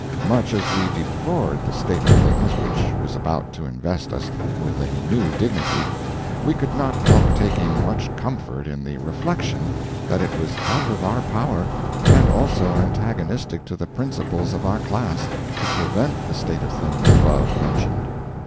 Much as we deplored the state of things which was about to invest us with a new dignity, we could not help taking much comfort in the reflection that it was out of our power, and also antagonistic to the principles of our class, to prevent the state of things above mentioned.